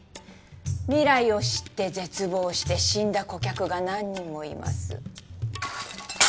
未来を知って絶望して死んだ顧客が何人もいます